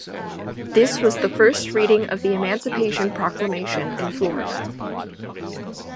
This was the first reading of the Emancipation Proclamation in Florida.